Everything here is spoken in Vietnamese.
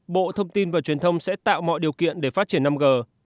bộ thông tin và truyền thông sẽ tạo mọi điều kiện để phát triển năm g